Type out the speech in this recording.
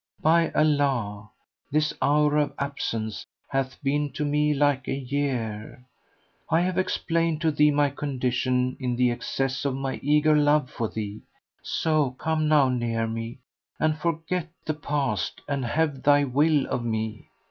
By Allah, this hour of absence hath been to me like a year![FN#114] I have explained to thee my condition in the excess of my eager love for thee; so come now near me, and forget the past and have thy will of me."